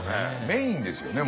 メインですよね